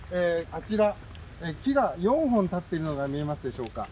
あちら、木が４本立っているのが見えますでしょうか。